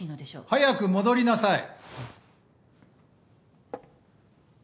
早く戻りなさい。